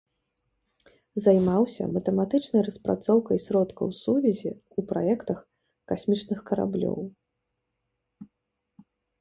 Займаўся матэматычнай распрацоўкай сродкаў сувязі ў праектах касмічных караблёў.